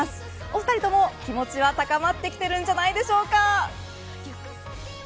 お二人とも、気持ちは高まってきているんじゃないでしょうか。